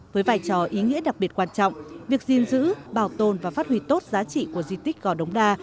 với vai trò ý nghĩa đặc biệt quan trọng việc gìn giữ bảo tồn và phát huy tốt giá trị của di tích gò đống đa